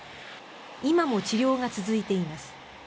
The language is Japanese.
今も治療が続いています。